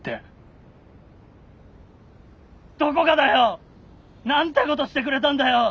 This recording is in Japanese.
どこがだよ！なんてことしてくれたんだよ！